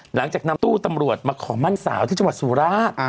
หลังจากนำตู้ตำรวจมาขอมั่นสาวที่จังหวัดสุราช